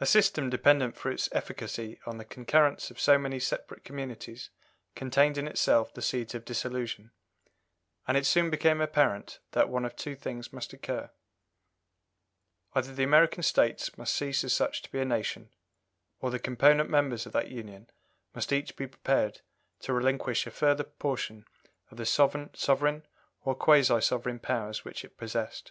A system dependent for its efficacy on the concurrence of so many separate communities contained in itself the seeds of dissolution, and it soon became apparent that one of two things must occur either the American States must cease as such to be a nation, or the component members of that union must each be prepared to relinquish a further portion of the sovereign or quasi sovereign powers which it possessed.